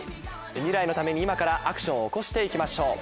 未来のために今からアクションを起こして行きましょう。